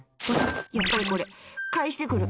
やっぱりこれ、返してくる。